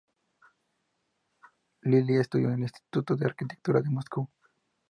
Lilia estudió en el Instituto de Arquitectura de Moscú.